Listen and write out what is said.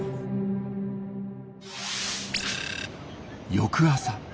翌朝。